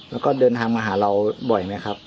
แล้วก็เดินทางมาหาเราบ่อยไหมครับ